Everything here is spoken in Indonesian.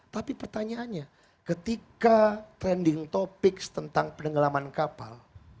tapi pertanyaannya ketika trending topics tentang penenggelaman kapal